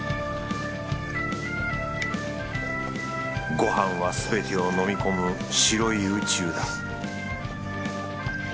ご飯はすべてを飲み込む白い宇宙だ